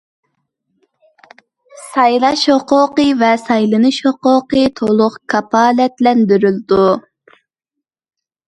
سايلاش ھوقۇقى ۋە سايلىنىش ھوقۇقى تولۇق كاپالەتلەندۈرۈلدى.